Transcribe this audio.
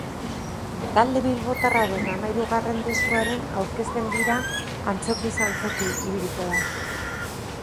Talde bilbotarraren hamahirugarren diskoaren aurkezpen bira antzokiz antzoki ibiliko da.